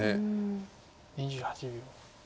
２８秒。